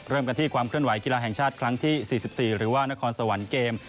เริ่มกันที่ความเคลื่อนไหกีฬาแห่งชาติครั้งที่๔๔หรือว่านครสวรรค์เกม